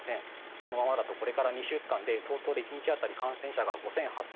このままだとこれから２週間で東京で１日当たり感染者が５０００、８０００